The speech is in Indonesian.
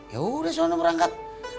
yaudah suara berangkat